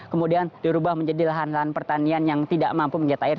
kemudian dirubah menjadi lahan lahan pertanian yang tidak mampu menyeta air